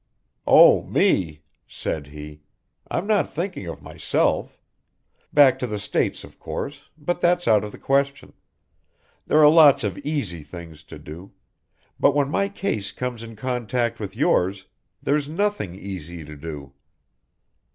"Oh, me," said he; "I'm not thinking of myself back to the States, of course, but that's out of the question there are lots of easy things to do, but when my case comes in contact with yours, there's nothing easy to do.